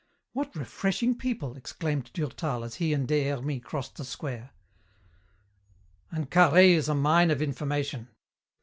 "What refreshing people!" exclaimed Durtal as he and Des Hermies crossed the square. "And Carhaix is a mine of information."